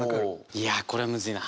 いやこれはムズいな。